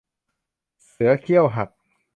เสือเขี้ยวหัก